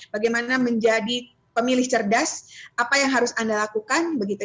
bagaimana menjadi pemilih cerdas apa yang harus anda lakukan begitu